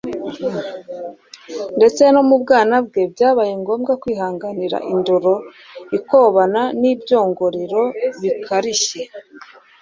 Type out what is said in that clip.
ndetse no mu bwana bwe byabaye ngombwa kwihanganira indoro ikobana n'ibyongorero bikarishye.